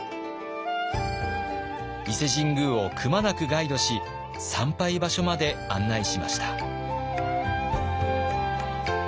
伊勢神宮をくまなくガイドし参拝場所まで案内しました。